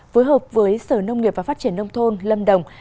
phối hợp với sở nông nghiệp và phát triển nông thôn lâm đồng